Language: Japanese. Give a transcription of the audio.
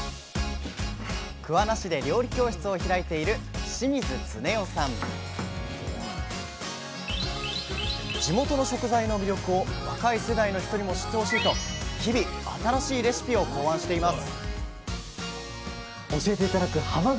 桑名市で料理教室を開いている地元の食材の魅力を若い世代の人にも知ってほしいと日々新しいレシピを考案しています